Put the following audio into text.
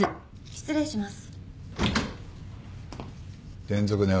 失礼します。